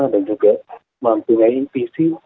untuk mencari kesempatan yang sama